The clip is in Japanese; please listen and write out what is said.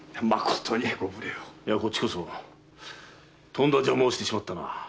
いやこっちこそとんだ邪魔をしてしまったな。